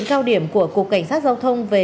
chúc ba cũng vui vẻ